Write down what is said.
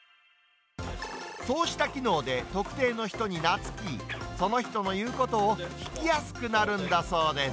そうした機能で、特定の人に懐き、その人の言うことを聞きやすくなるんだそうです。